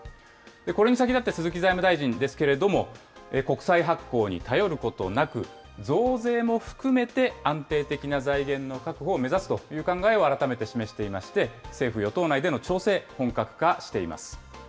これに先立って鈴木財務大臣ですけれども、国債発行に頼ることなく、増税も含めて安定的な財源の確保を目指すという考えを改めて示していまして、政府・与党内での調整、本格化しています。